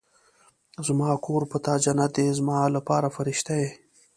زما کور په تا جنت دی ، زما لپاره فرښته ېې